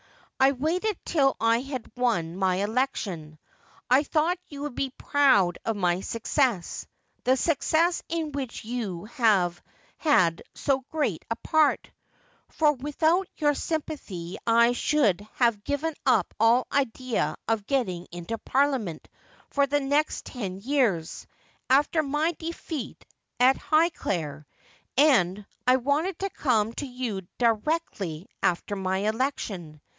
I waited till I had won my election. I thought you would be proud of my success — the success in which you have had so great a part ; for without your sympathy I should have given up all idea of getting into Parlia ment for the next ten years, after my defeat at Highclere — and I wanted to come to you directly after my election.